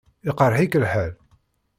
Iqṛeḥ-ik lḥal?